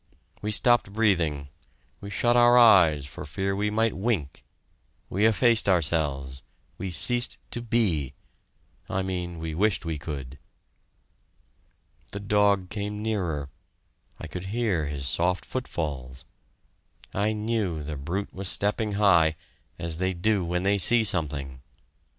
We stopped breathing we shut our eyes for fear we might wink we effaced ourselves we ceased to be I mean we wished we could. The dog came nearer I could hear his soft footfalls I knew the brute was stepping high as they do when they see something.